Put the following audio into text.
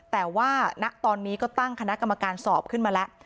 แต่ว่าณตอนนี้ก็ตั้งคณะกรรมการสอบขึ้นมาแล้ว